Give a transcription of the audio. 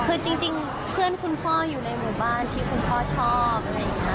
คือจริงเพื่อนคุณพ่ออยู่ในหมู่บ้านที่คุณพ่อชอบอะไรอย่างนี้